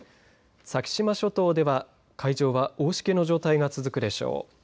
先島諸島では、海上は大しけの状態が続くでしょう。